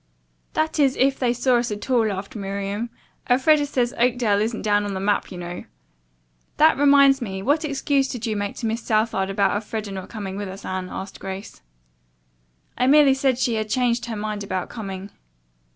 "That is if they saw us at all," laughed Miriam. "Elfreda says Oakdale isn't down on the map, you know." "That reminds me, what excuse did you make to Miss Southard about Elfreda not coming with us, Anne?" asked Grace. "I merely said she had changed her mind about coming."